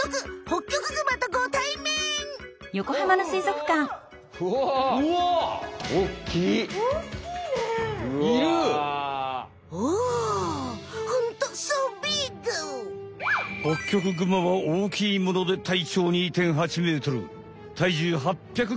ホッキョクグマは大きいもので体長２．８メートル体重８００キロにもなる。